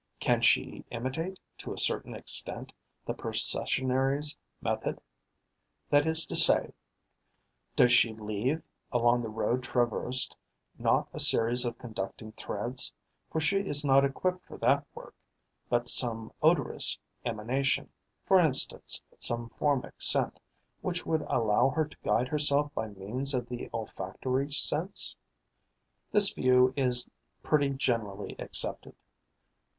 Can she imitate, to a certain extent, the Processionaries' method, that is to say, does she leave, along the road traversed, not a series of conducting threads, for she is not equipped for that work, but some odorous emanation, for instance some formic scent, which would allow her to guide herself by means of the olfactory sense? This view is pretty generally accepted.